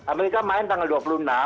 amerika main tanggal dua puluh enam